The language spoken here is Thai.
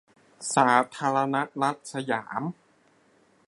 สาธารณรัฐสยาม